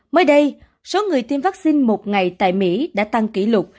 mới đây số người tiêm vaccine một ngày tại mỹ đã tăng kỷ lục